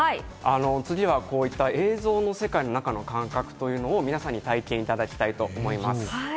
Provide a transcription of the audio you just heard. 次はこういった映像の世界の中の感覚というのを皆さんに体験いただきたいと思います。